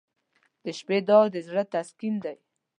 • د شپې دعا د زړه تسکین دی.